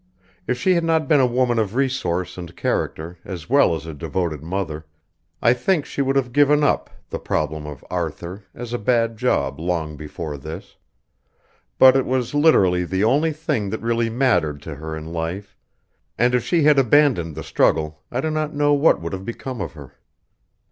If she had not been a woman of resource and character as well as a devoted mother I think she would have given up the problem of Arthur as a bad job long before this; but it was literally the only thing that really mattered to her in life, and if she had abandoned the struggle I do not know what would have become of her.